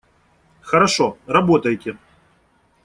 Хорошо. Работайте!